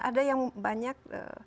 ada yang banyak